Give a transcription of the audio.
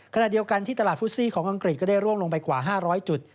ขณะเดียวกันที่ตลาดฟุตซี่ของอังกฤษก็ได้ร่วงลงไปกว่า๕๐๐จุด